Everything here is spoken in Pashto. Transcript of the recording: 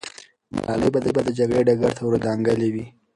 ملالۍ به د جګړې ډګر ته ور دانګلې وي.